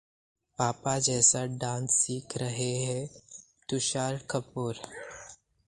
पापा जैसा डांस सीख रहे हैं तुषार कपूर